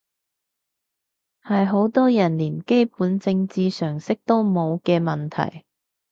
係好多人連基本政治常識都冇嘅問題